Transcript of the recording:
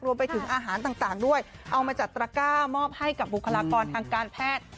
รวมไปถึงอาหารต่างด้วยเอามาจัดตระก้ามอบให้กับบุคลากรทางการแพทย์